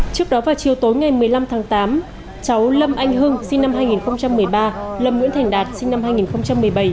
trước đó vào chiều tối ngày một mươi năm tháng tám cháu lâm anh hưng sinh năm hai nghìn một mươi ba lâm nguyễn thành đạt sinh năm hai nghìn một mươi bảy